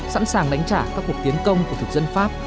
sẵn sàng đánh trả các cuộc tiến công của thực dân pháp